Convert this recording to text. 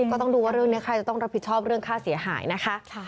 ก็ต้องดูว่าเรื่องนี้ใครจะต้องรับผิดชอบเรื่องค่าเสียหายนะคะ